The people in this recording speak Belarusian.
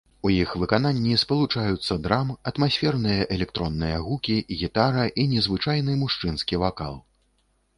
У іх выкананні спалучаюцца драм, атмасферныя электронныя гукі, гітара і незвычайны мужчынскі вакал.